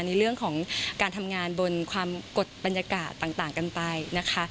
ในเรื่องของการทำงานบนความกดบรรยากาศต่างกันไปนะคะ